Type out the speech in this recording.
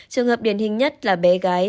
trường hợp điển hình nhất là bé gái